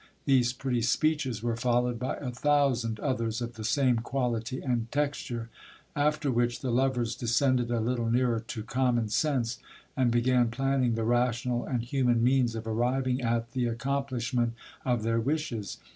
These pretty speeches were followed by a thousand others of the same qur.lity and texture ; after which the lovers descended a little nearer to common sense, and began planning the rational and human means of arriving at the ac complishment of their wishes.